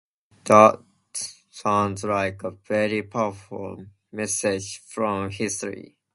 That sounds like a very powerful message from history.